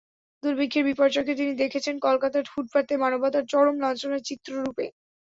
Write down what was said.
দুর্ভিক্ষের বিপর্যয়কে তিনি দেখেছেন কলকাতার ফুটপাতে মানবতার চরম লাঞ্ছনার চিত্র রূপে।